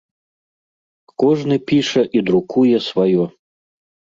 Кожны піша і друкуе сваё.